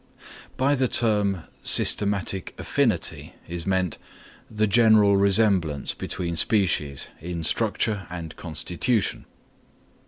By the term systematic affinity is meant, the general resemblance between species in structure and constitution.